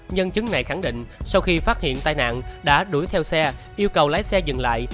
nhân chứng này khẳng định sau khi phát hiện tai nạn đã đuổi theo xe yêu cầu lái xe dừng lại